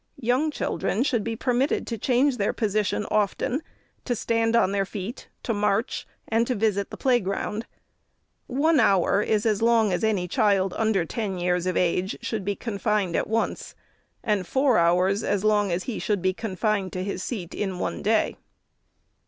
Young children should be permitted to change their position often, to stand on their feet, to march, and to visit the play ground. One hour is as long as any child, under ten years of ;>ge, should be confined at once ; and four hours as long as he should be confined to his seat in one day.